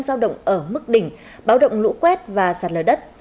giao động ở mức đỉnh báo động lũ quét và sạt lở đất